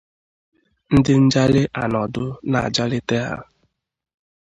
ndị njali anọdụ na-ajalite ha